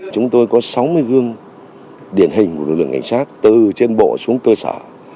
chúng tôi có sáu mươi gương điển hình của lực lượng cảnh sát từ trên bộ xuống cơ sở